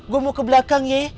gue mau ke belakang ye